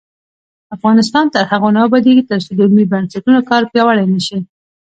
افغانستان تر هغو نه ابادیږي، ترڅو د علمي بنسټونو کار پیاوړی نشي.